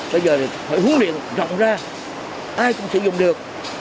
bây giờ phải huấn luyện rộng ra ai cũng sử dụng được